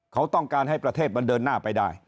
เขาต้องการให้ประเทศมันเดินหน้าไปได้